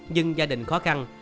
nhưng gia đình khó khăn